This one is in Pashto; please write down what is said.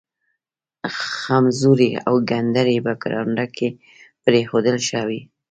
خمزوري او گنډري په کرونده کې پرېښودل ښه وي.